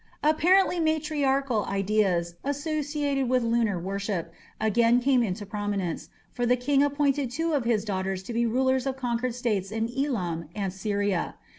Apparently matriarchal ideas, associated with lunar worship, again came into prominence, for the king appointed two of his daughters to be rulers of conquered states in Elam and Syria.